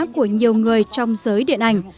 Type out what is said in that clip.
của nhiều người trong giới điện ảnh